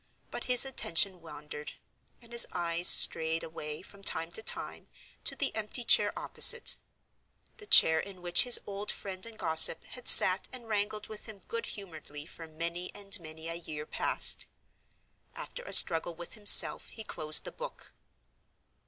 But his attention wandered; and his eyes strayed away, from time to time, to the empty chair opposite—the chair in which his old friend and gossip had sat and wrangled with him good humoredly for many and many a year past. After a struggle with himself he closed the book.